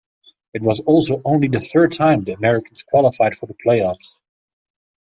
It was also only the third time the Americans qualified for the playoffs.